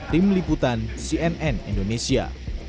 tim liputan cnn indonesia